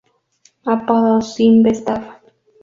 Apoyos Cinvestav.